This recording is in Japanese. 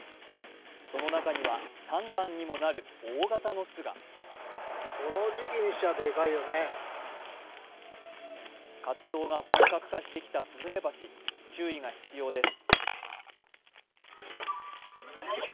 その中には３段にもなる大型の巣が活動が本格化してきたスズメバチ、注意が必要です。